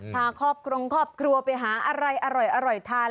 พาครอบครัวไปหาอะไรอร่อยทาน